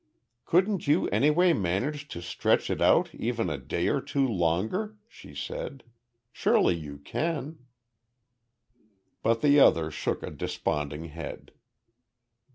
"Couldn't you anyway manage to stretch it out even a day or two longer?" she said. "Surely you can?" But the other shook a desponding head.